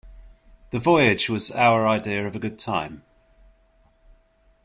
The voyage was our idea of a good time.